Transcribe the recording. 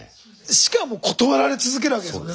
しかも断られ続けるわけですよね。